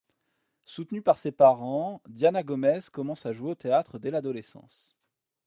Soutenue par ses parents, Diana Gómez commence à jouer au théâtre dès l'adolescence.